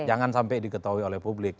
jangan sampai diketahui oleh publik